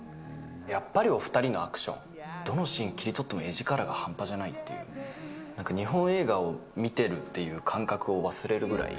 やっぱりお２人のアクション、どのシーン切り取っても、なんか日本映画を見てるっていう感覚を忘れるぐらい。